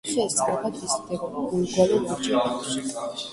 ხე სწრაფად იზრდება, მომრგვალო ვარჯი აქვს.